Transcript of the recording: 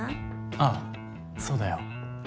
ああそうだよ